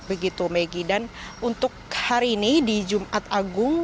begitu megi dan untuk hari ini di jumat agung